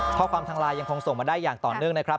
ข้อความทางไลน์ยังคงส่งมาได้อย่างต่อเนื่องนะครับ